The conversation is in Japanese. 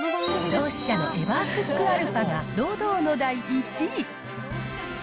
ドウシシャのエバークックアルファが堂々の第１位。